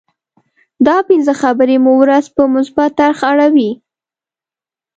دا پنځه خبرې مو ورځ په مثبت اړخ اړوي.